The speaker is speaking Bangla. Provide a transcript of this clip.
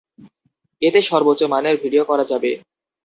এতে সর্বোচ্চ মানের ভিডিও করা যাবে।